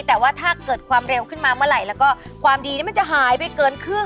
แต่ว่าถ้าเกิดความเร็วขึ้นมาเมื่อไหร่แล้วก็ความดีนี้มันจะหายไปเกินครึ่ง